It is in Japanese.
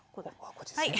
こっちですね。